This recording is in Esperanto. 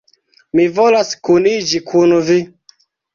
Mi volas kuniĝi kun vi!